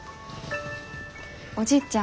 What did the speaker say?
おじいちゃん。